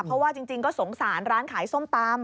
เพราะว่าจริงก็สงสารร้านขายส้มตำ